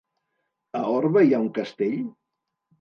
A Orba hi ha un castell?